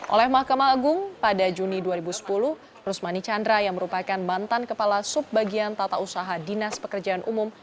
oleh mahkamah agung pada juni dua ribu sepuluh rusmani chandra yang merupakan mantan kepala subbagian tata usaha dinas pekerjaan umum